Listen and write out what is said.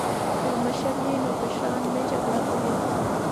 که مشره وي نو کشران نه جګړه کوي.